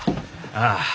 ああ。